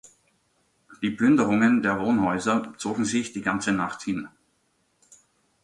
Die Plünderungen der Wohnhäuser zogen sich die ganze Nacht hin.